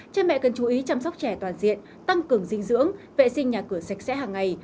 cha mẹ cần chú ý chăm sóc trẻ toàn diện tăng cường dinh dưỡng vệ sinh nhà cửa sạch sẽ hàng ngày